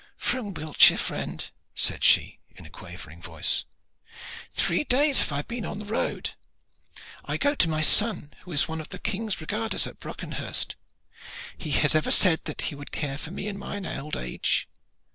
"From Wiltshire, friend," said she, in a quavering voice; "three days have I been on the road. I go to my son, who is one of the King's regarders at Brockenhurst. He has ever said that he would care for me in mine old age."